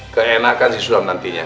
keenakan sisulam nantinya